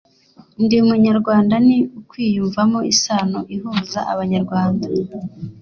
ndi umunyarwanda ni ukwiyumvamo isano ihuza abanyarwanda.